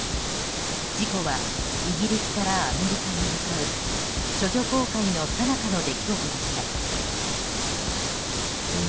事故はイギリスからアメリカに向かう処女航海のさなかの出来事でした。